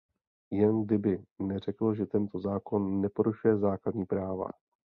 Jen kdyby neřekl, že tento zákon neporušuje základní práva.